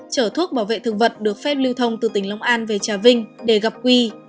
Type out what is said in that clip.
chở thuốc bảo vệ thực vật được phép lưu thông từ tỉnh long an về trà vinh để gặp quy